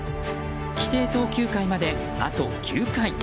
規定投球回まで、あと９回。